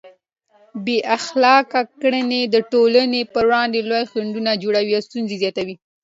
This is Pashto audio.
بې اخلاقه کړنې د ټولنې پر وړاندې لوی خنډونه جوړوي او ستونزې زیاتوي.